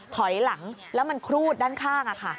ถอยหลังแล้วมันครูดด้านข้าง